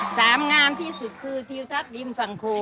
งามที่สุดคือทิวทัศน์ริมฝั่งโค